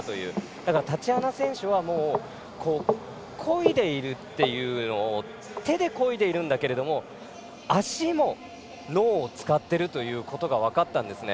だからタチアナ選手は手で、こいでいるんだけれども足も、脳を使っているということが分かったんですね。